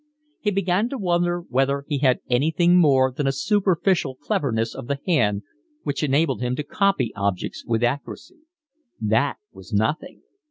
He began to wonder whether he had anything more than a superficial cleverness of the hand which enabled him to copy objects with accuracy. That was nothing.